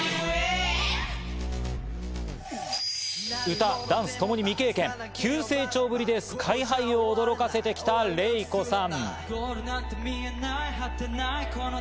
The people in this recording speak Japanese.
歌ダンスともに未経験、急成長ぶりでＳＫＹ−ＨＩを驚かせてきたレイコさん。